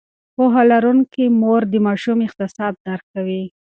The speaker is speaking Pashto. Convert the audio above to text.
پوهه لرونکې مور د ماشوم احساسات درک کوي.